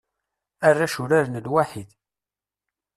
Arrac uraren lwaḥid.